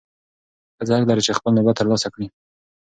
ښځه حق لري چې خپل نوبت ترلاسه کړي.